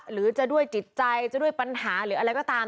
หรือจะด้วยจิตใจจะด้วยปัญหาหรืออะไรก็ตาม